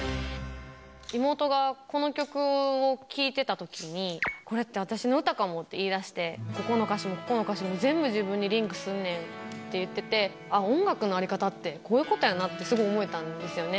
妹がこの曲を聴いてたときに、これって私の歌かもって言い出して、ここの歌詞も、ここの歌詞も、全部自分にリンクすんねんって言ってて、ああ、音楽の在り方ってこういうことやなってすごい思えたんですよね。